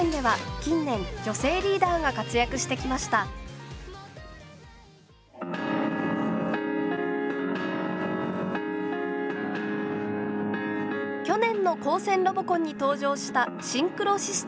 去年の高専ロボコンに登場した「シンクロシスターズ」。